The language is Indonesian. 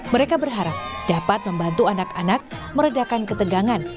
mereka berharap dapat membantu anak anak meredakan ketegangan